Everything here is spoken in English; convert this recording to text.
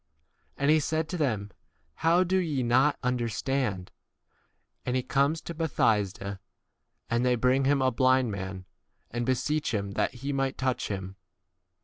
And he said to them, How do ye not understand ? 22 And he comes to Bethsaida ; and they bring him a blind man, and beseech him that he might touch 23 him.